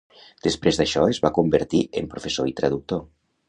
Després d'això es va convertir en professor i traductor.